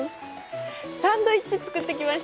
サンドイッチ作ってきました！